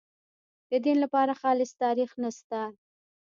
د دین لپاره خالص تاریخ نشته.